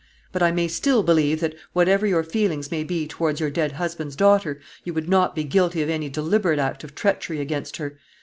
But I may still believe that, whatever your feelings may be towards your dead husband's daughter, you would not be guilty of any deliberate act of treachery against her.